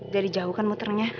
jadi jauh kan muternya